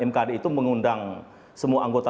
mkd itu mengundang semua anggota